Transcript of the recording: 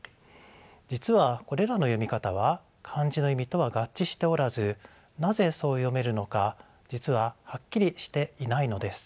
実はこれらの読み方は漢字の意味とは合致しておらずなぜそう読めるのか実ははっきりしていないのです。